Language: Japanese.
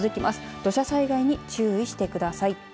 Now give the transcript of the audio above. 土砂災害に注意してください。